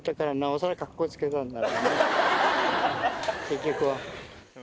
結局は。